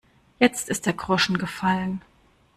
Jetzt ist der Groschen gefallen.